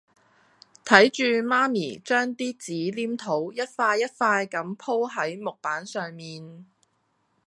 睇住媽咪將啲紙黏土一塊一塊咁舖喺木板上面